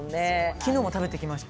昨日も食べてきました。